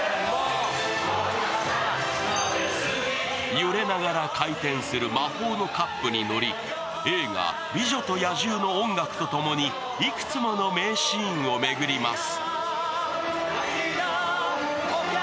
揺れながら回転する魔法のカップに乗り映画「美女と野獣」の音楽と共にいくつもの名シーンを巡ります。